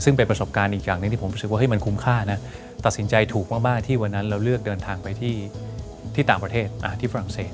ซึ่งเป็นประสบการณ์อีกอย่างหนึ่งที่ผมรู้สึกว่ามันคุ้มค่านะตัดสินใจถูกมากที่วันนั้นเราเลือกเดินทางไปที่ต่างประเทศที่ฝรั่งเศส